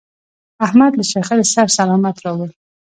احمد له شخړې سر سلامت راوړ.